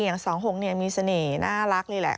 ๒๖มีเสน่ห์น่ารักเลยแหละ